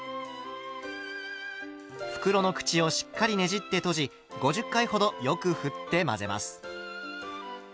袋の口をしっかりねじって閉じ５０回ほどよくふって混ぜます。